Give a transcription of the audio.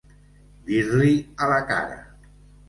Dir-li a la cara.